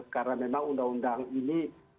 karena memang undang undang ini